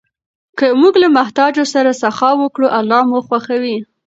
که موږ له محتاجو سره سخا وکړو، الله مو خوښوي.